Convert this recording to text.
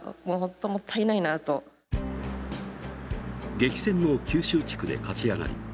激戦の九州地区で勝ち上がり